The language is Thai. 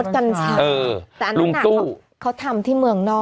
กัญชาแต่อันนั้นน่ะเขาทำที่เมืองนอก